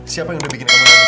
siapa yang udah bikin kamu